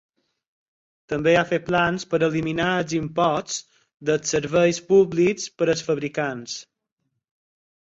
També ha fet plans per eliminar els impostos dels serveis públics per als fabricants.